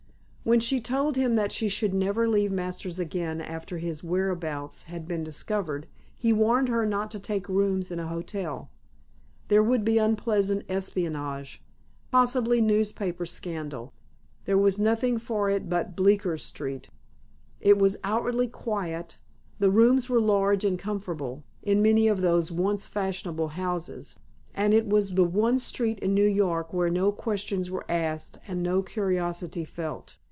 When she told him that she should never leave Masters again after his whereabouts had been discovered, he warned her not to take rooms in a hotel. There would be unpleasant espionage, possibly newspaper scandal. There was nothing for it but Bleecker Street. It was outwardly quiet, the rooms were large and comfortable in many of those once fashionable houses, and it was the one street in New York where no questions were asked and no curiosity felt.